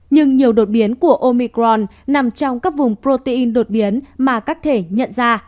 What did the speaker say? nhưng nhiều đột biến của omicron nằm trong các vùng protein đột biến mà các thể nhận ra